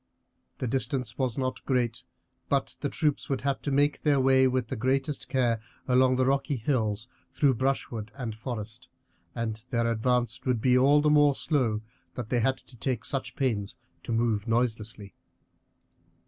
The distance was not great, but the troops would have to make their way with the greatest care along the rocky hills through brushwood and forest, and their advance would be all the more slow that they had to take such pains to move noiselessly.